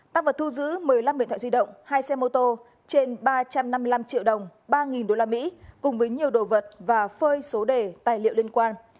tăng vật thu giữ một mươi năm điện thoại di động hai xe mô tô trên ba trăm năm mươi năm triệu đồng ba usd cùng với nhiều đồ vật và phơi số đề tài liệu liên quan